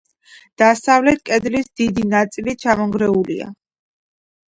დასავლეთ კედლის დიდი ნაწილი ჩამონგრეულია.